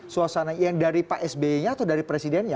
suasana yang dari pak sby nya atau dari presidennya